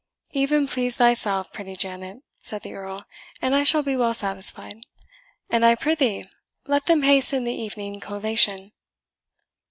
"Even please thyself, pretty Janet," said the Earl, "and I shall be well satisfied. And I prithee let them hasten the evening collation."